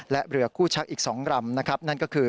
และเรือคู่ชักอีก๒ลำนะครับนั่นก็คือ